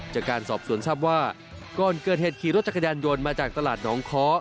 จากการสอบสวนทรัพย์ว่าก่อนเกิดเหตุขี่รถจักรยานยนต์มาจากตลาดน้องค้อ